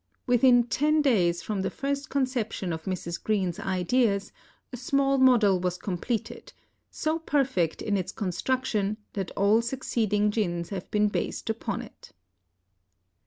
Within ten days from the first conception of Mrs. Greene's ideas, a small model was completed, so perfect in its construction that all succeeding gins have been based upon it.